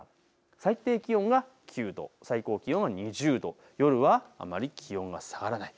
最低気温が９度、最高気温２０度、夜はあまり気温が下がらない。